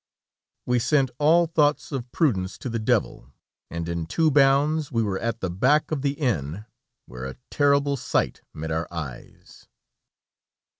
We sent all thoughts of prudence to the devil, and in two bounds we were at the back of the inn, where a terrible sight met our eyes.